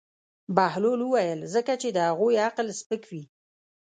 بهلول وویل: ځکه چې د هغوی عقل سپک وي.